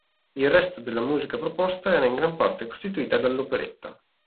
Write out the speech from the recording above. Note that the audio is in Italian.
Il resto della musica proposta era in gran parte costituita dall'operetta.